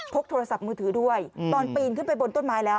กโทรศัพท์มือถือด้วยตอนปีนขึ้นไปบนต้นไม้แล้ว